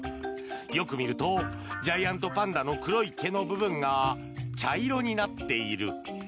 よく見るとジャイアントパンダの黒い毛の部分が茶色になっている。